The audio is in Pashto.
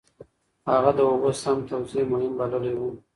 هغه د اوبو سم توزيع مهم بللی و.